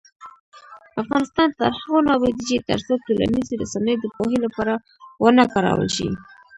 افغانستان تر هغو نه ابادیږي، ترڅو ټولنیزې رسنۍ د پوهې لپاره ونه کارول شي.